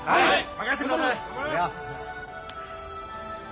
任してください！